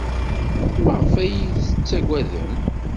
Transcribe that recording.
Maɣef ay iyi-tettaggadem?